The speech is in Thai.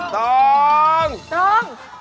ต้ม